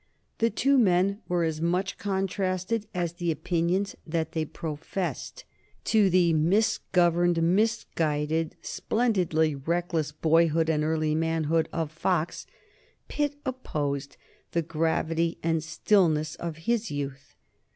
The two men were as much contrasted as the opinions that they professed. To the misgoverned, misguided, splendidly reckless boyhood and early manhood of Fox Pitt opposed the gravity and stillness of his youth.